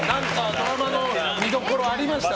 ドラマの見どころありますか？